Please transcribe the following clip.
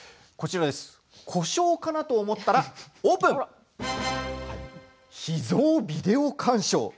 故障かな？と思ったら「秘蔵ビデオ鑑賞」。